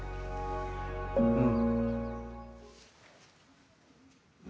うん。